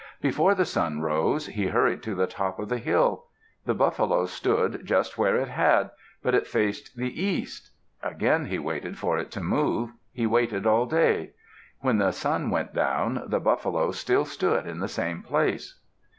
Before the sun rose, he hurried to the top of the hill. The buffalo stood just where it had, but it faced the east. Again he waited for it to move. He waited all day. When the sun went down, the buffalo still stood in the same place.